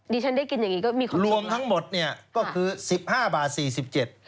ดิฉันได้กินอย่างงี้ก็มีของเช็ดแล้วรวมทั้งหมดเนี่ยก็คือ๑๕บาท๔๗